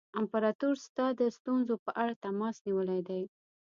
امپراطور ستا د ستونزو په اړه تماس نیولی دی.